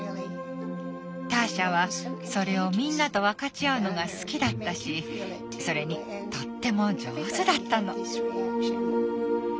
ターシャはそれをみんなと分かち合うのが好きだったしそれにとっても上手だったの。